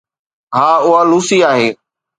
ها، اها لوسي آهي